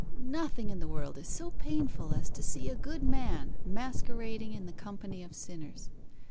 Nothing in the world is so painful as to see a good man masquerading in the company of sinners.